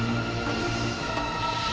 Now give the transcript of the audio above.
aku akan mencari siapa saja yang bisa membantu kamu